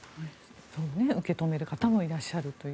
そう受け止める方もいらっしゃるという。